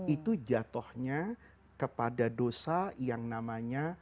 itu jatuhnya kepada dosa yang namanya